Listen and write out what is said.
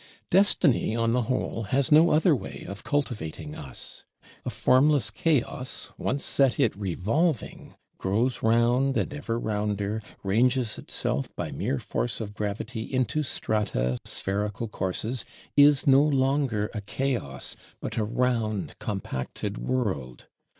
Destiny, on the whole, has no other way of cultivating us. A formless Chaos, once set it revolving, grows round and ever rounder; ranges itself by mere force of gravity into strata, spherical courses; is no longer a Chaos, but a round compacted World.